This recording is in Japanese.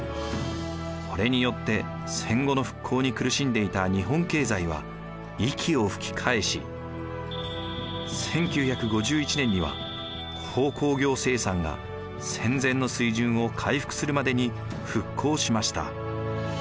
これによって戦後の復興に苦しんでいた日本経済は息を吹き返し１９５１年には鉱工業生産が戦前の水準を回復するまでに復興しました。